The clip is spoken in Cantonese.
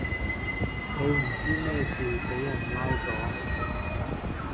佢唔知乜事,卑人拉左